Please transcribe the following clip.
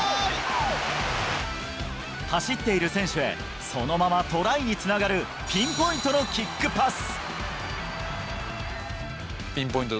走っている選手へ、そのままトライにつながるピンポイントのキックパス。